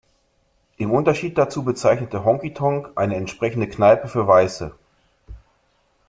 Im Unterschied dazu bezeichnet Honky Tonk eine entsprechende Kneipe für Weiße.